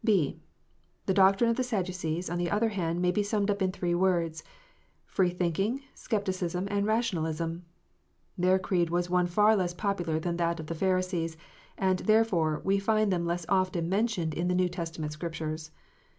(6) The doctrine of the Sadducees, on the other hand, may be summed up in three words, free thinking, scepticism, and rationalism. Their creed was one far less popular than that of the Pharisees, and, therefore, we find them less often mentioned in the New Testament Scriptures.